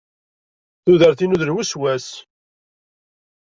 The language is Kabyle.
Tuder- inu d lweswas.